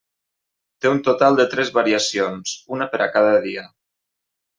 Té un total de tres variacions, una per a cada dia.